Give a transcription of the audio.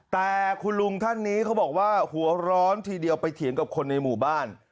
แต่คุณลุงท่านนี้เขาบอกว่าหัวร้อนทีเดียวไปเถียงกับคนในหมู่บ้าน